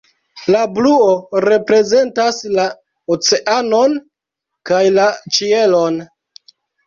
La bluo reprezentas la oceanon kaj la ĉielon.